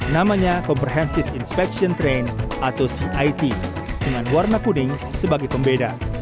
namanya comprehensive inspection train atau cit dengan warna kuning sebagai pembeda